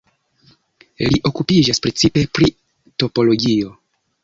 Li okupiĝas precipe pri topologio.